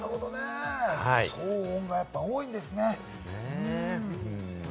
騒音が多いんですね。